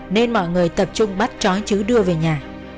nên mọi người tập trung bắt trói trứ đưa về nhà